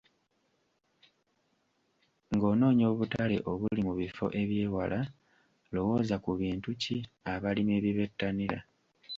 Ng’onoonya obutale obuli mu bifo ebyewala, lowooza ku bintu ki abalimi bye bettanira.